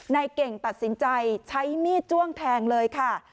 นายเก่งตัดสินใจใช้มีดจ้วงแทงเลยค่ะ